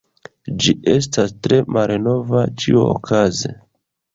Ĝi estas tre malnova. Ĉiuokaze…